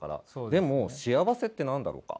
でも幸せって何だろうか？